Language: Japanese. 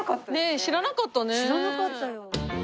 知らなかったよ。